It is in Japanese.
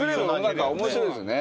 面白いですよね。